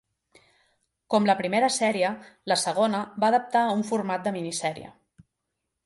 Com la primera sèrie, la segona va adaptar un format de minisèrie.